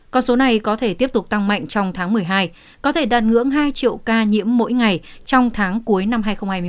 con số này có thể tiếp tục tăng mạnh trong tháng một mươi hai có thể đạt ngưỡng hai triệu ca nhiễm mỗi ngày trong tháng cuối năm hai nghìn hai mươi ba